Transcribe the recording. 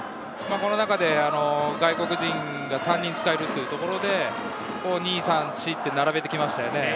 その中で外国人が３人使えるということで、２番、３番、４番と並べてきました。